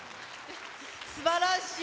すばらしい。